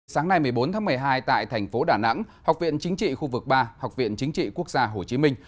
sáng nay một mươi bốn tháng một mươi hai tại thành phố đà nẵng học viện chính trị khu vực ba học viện chính trị quốc gia hồ chí minh